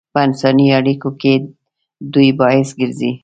په انساني اړیکو کې د ودې باعث ګرځي.